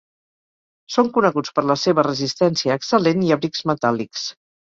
Són coneguts per la seva resistència excel·lent i abrics "metàl·lics".